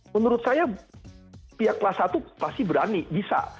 menurut saya pihak kelas satu pasti berani bisa